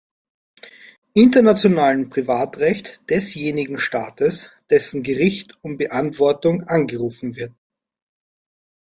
Internationalen Privatrecht desjenigen Staates, dessen Gericht um Beantwortung angerufen wird.